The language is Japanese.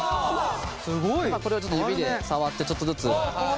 今これを指で触ってちょっとずつ。